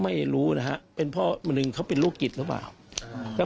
ไม่รู้นะฮะเป็นภอปีนหรือเป็นโลกกิจรึเปล่า